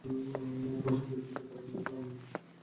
ফলশ্রুতিতে কল্যাণজী-আনন্দজী’র সাথে পরিচিত হন।